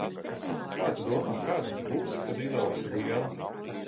Kā tu domā, kāda tu būsi, kad izaugsi liela?